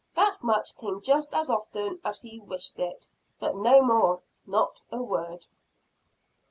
That much came just as often as he wished it; but no more not a word.